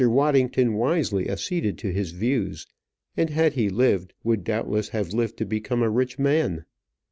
Waddington wisely acceded to his views, and, had he lived, would doubtless have lived to become a rich man.